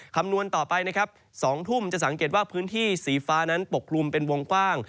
คำนวณต่อไปนะครับ๒ทุ่มจะสังเกตว่าพื้นที่สีฟ้านั้นปกลุ่มเป็นวงกว้าง